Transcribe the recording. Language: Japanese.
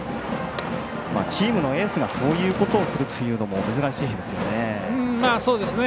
チームのエースがそういうことをするのも珍しいですよね。